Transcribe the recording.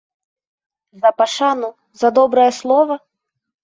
За пашану, за добрае слова?